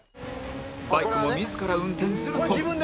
バイクも自ら運転するトム